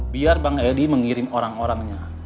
biar bang edi mengirim orang orangnya